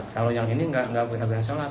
kalau yang ini nggak pernah sholat